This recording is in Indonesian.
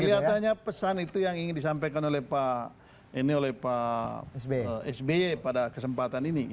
kelihatannya pesan itu yang ingin disampaikan oleh pak sby pada kesempatan ini